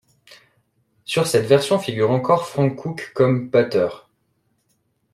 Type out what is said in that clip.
Sur cette version figure encore Frank Cook comme batteur.